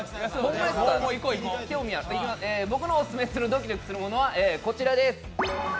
僕のオススメするドキドキするものはこちらです。